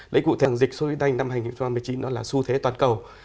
lấy cụ thể dịch sốt huyết đanh năm hai nghìn một mươi chín đó là xu thế toàn cầu